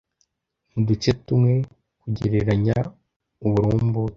mu duce tumwe, kugereranya uburumbuke